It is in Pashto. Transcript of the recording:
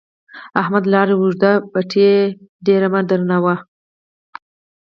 احمده! لاره اوږده ده؛ پېټی دې ډېر مه درنوه.